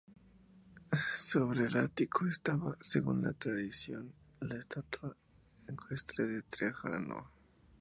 Sobre el ático estaba, según la tradición, la estatua ecuestre de Trajano.